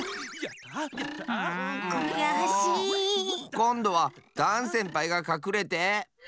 こんどはダンせんぱいがかくれて！